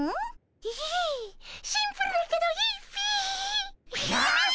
いいシンプルだけどいいっピィ。よし！